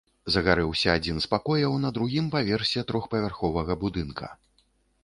Загарэўся адзін з пакояў на другім паверсе трохпавярховага будынка.